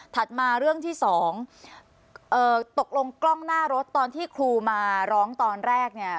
มาเรื่องที่สองตกลงกล้องหน้ารถตอนที่ครูมาร้องตอนแรกเนี่ย